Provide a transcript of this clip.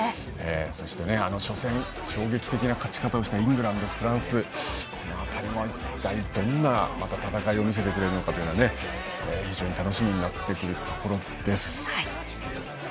そして初戦衝撃的な勝ち方をしたイングランドとフランス辺りはどんな戦いを見せてくれるのか非常に楽しみになってきます。